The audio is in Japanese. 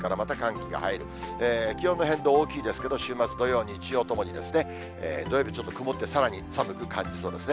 気温の変動大きいですけれども、週末土曜、日曜ともに、土曜日、ちょっと曇ってさらに寒く感じそうですね。